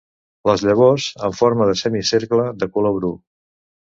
Les llavors en forma de semicercle de color bru.